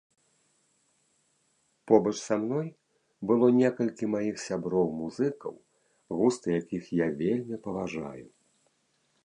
Побач са мной было некалькі маіх сяброў-музыкаў, густы якіх я вельмі паважаю.